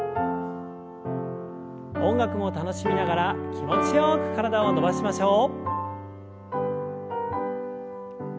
音楽も楽しみながら気持ちよく体を伸ばしましょう。